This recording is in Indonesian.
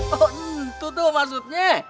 oh tuh tuh maksudnya